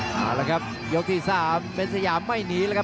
อ๋อแล้วครับยกที่สามเป็นสยามไม่หนีละครับ